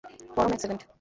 পরম, এক সেকেন্ড!